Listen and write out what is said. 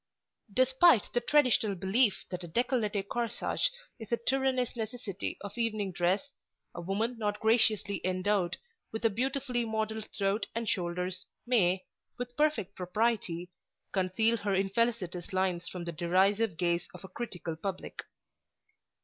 Despite the traditional belief that a décolleté corsage is a tyrannous necessity of evening dress, a woman not graciously endowed with a beautifully modelled throat and shoulders may, with perfect propriety, conceal her infelicitous lines from the derisive gaze of a critical public.